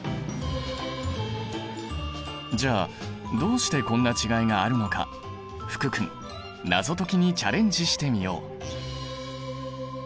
じゃあどうしてこんな違いがあるのか福君謎解きにチャレンジしてみよう。